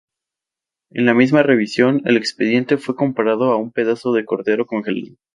En la misma revisión, el expediente fue comparado a ""un pedazo de cordero congelado"".